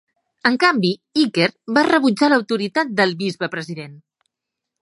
En canvi, Iker va rebutjar l'autoritat del bisbe president.